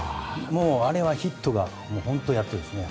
あれはヒットが本当にやっとですね。